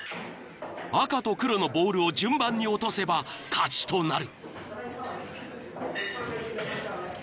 ［赤と黒のボールを順番に落とせば勝ちとなる］